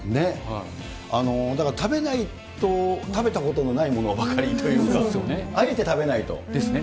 だから食べないと、食べたことのないものばかりということか、あえて食べないというか。ですね。